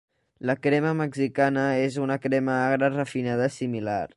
La "crema mexicana" és una crema agra refinada similar.